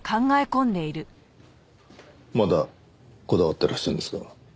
まだこだわってらっしゃるんですか？